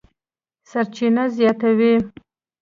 سرچینه زیاتوي